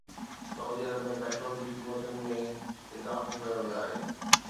سعودي عرب ۾ پيٽرول جي قيمتن ۾ اضافو ڪيو ويو آهي